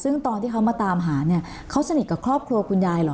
ซึ่งตอนที่เขามาตามหาเนี่ยเขาสนิทกับครอบครัวคุณยายเหรอ